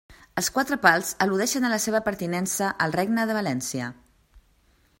Els quatre pals al·ludeixen a la seva pertinença al Regne de València.